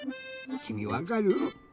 きみわかる？